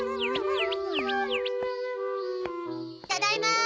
ただいまー！